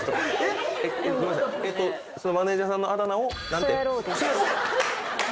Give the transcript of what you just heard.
えっとそのマネジャーさんのあだ名を何て？